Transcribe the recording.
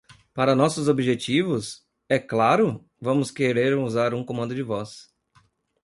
Para nossos objetivos,?, é claro,?, vamos querer usar um comando de voz.